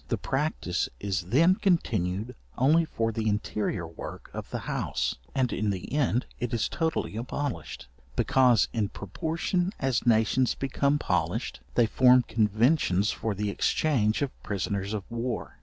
The practice is then continued only for the interior work of the house, and in the end it is totally abolished; because in proportion as nations become polished, they form conventions for the exchange of prisoners of war.